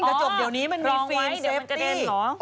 กระจกเดี๋ยวนี้มันมีฟีลไซฟตี้